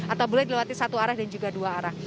atau boleh dilewati satu arah dan juga dua arah